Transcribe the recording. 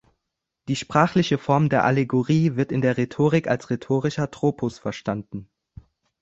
Die sprachliche Form der Allegorie wird in der Rhetorik als rhetorischer Tropus verstanden.